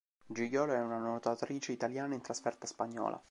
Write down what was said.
Gigliola è una nuotatrice italiana in trasferta spagnola.